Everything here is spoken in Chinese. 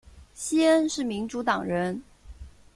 西恩是民主党人。